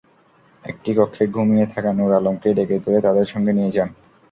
একটি কক্ষে ঘুমিয়ে থাকা নূর আলমকে ডেকে তুলে তাঁদের সঙ্গে নিয়ে যান।